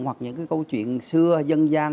hoặc những cái câu chuyện xưa dân gian